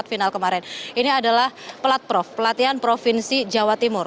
ini adalah pelat prof pelatihan provinsi jawa timur